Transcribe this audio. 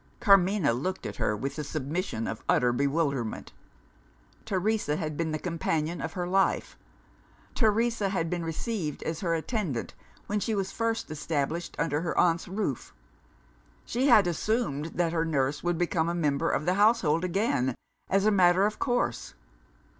Carmina looked at her with the submission of utter bewilderment. Teresa had been the companion of her life; Teresa had been received as her attendant, when she was first established under her aunt's roof. She had assumed that her nurse would become a member of the household again, as a matter of course.